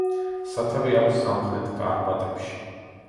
სათავე აქვს სამხრეთ კარპატებში.